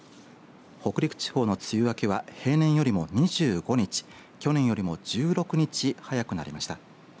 北陸地方の梅雨明けは平年よりも２５日去年よりも１６日早くなりました。